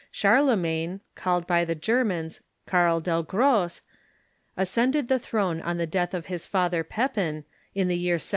Charlemagne, called by the Ger mans Karl der Grosse, ascended the throne on the death of his father Pepin, in the year 768.